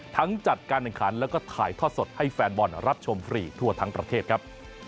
ทั้งจัดการถ่ายทอดสดและถ่ายทอดสดให้แฟนบอลรับชมฟรีทั่วทั้งประเทศครับ